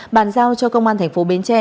bàn giao cho công an tp bến tre